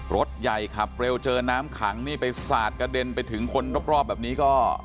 รถใหญ่ขับเร็วเจอน้ำขังนี่ไปสาดกระเด็นไปถึงคนรอบแบบนี้ก็